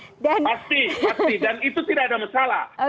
pasti pasti dan itu tidak ada masalah